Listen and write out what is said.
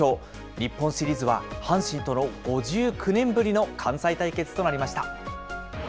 日本シリーズは、阪神との５９年ぶりの関西対決となりました。